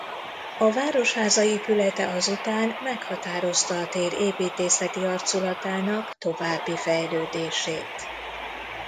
A városháza épülete azután meghatározta a tér építészeti arculatának további fejlődését.